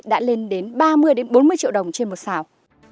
đã lên đến ba mươi bốn mươi triệu đồng trên một sào